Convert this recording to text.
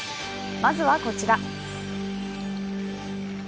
まずはこちら。